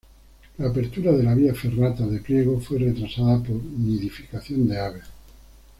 La apertura de la vía ferrata de Priego fue retrasada por nidificación de aves.